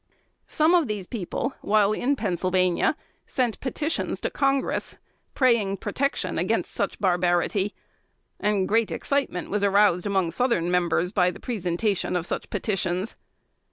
Some of these people, while in Pennsylvania, sent petitions to Congress, praying protection against such barbarity; and great excitement was aroused among Southern members by the presentation of such petitions.